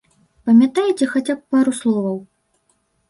Памятаеце хаця б пару словаў?